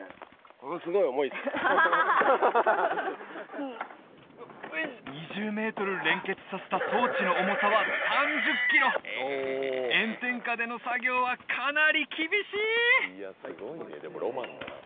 ものすごい重いっす２０メートル連結させた装置の重さは３０キロ炎天下での作業はかなり厳しい！